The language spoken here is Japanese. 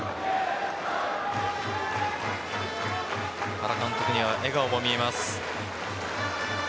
原監督には笑顔も見えます。